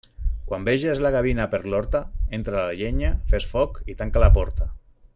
Quan veges la gavina per l'horta, entra la llenya, fes foc i tanca la porta.